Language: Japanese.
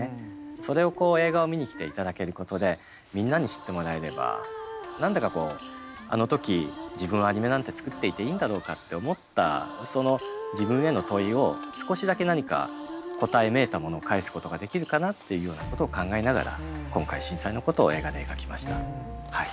それを映画を見に来ていただけることでみんなに知ってもらえれば何だかこうあの時自分はアニメなんて作っていていいんだろうかって思ったその自分への問いを少しだけ何か答えめいたものを返すことができるかなっていうようなことを考えながら今回震災のことを映画で描きました。